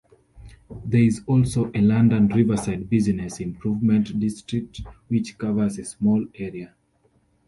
There is also a London Riverside business improvement district which covers a smaller area.